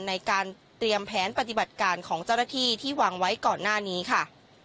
ในการเตรียมแผนปฏิบัติการของเจ้าหน้าที่ที่วางไว้ก่อนหน้านี้ค่ะ